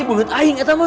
ih bunget aing itu mah